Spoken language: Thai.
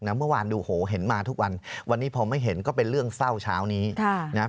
เมื่อวานดูโหเห็นมาทุกวันวันนี้พอไม่เห็นก็เป็นเรื่องเศร้าเช้านี้นะครับ